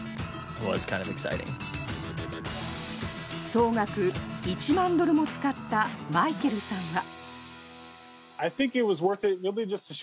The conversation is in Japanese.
総額１万ドルも使ったマイケルさんは。